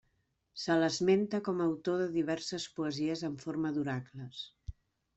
Se l'esmenta com a autor de diverses poesies en forma d'oracles.